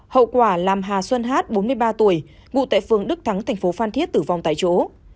hậu quả làm hà xuân hát bốn mươi ba tuổi ngụ tại phường đức thắng thành phố phan thiết tử vong tại chỗ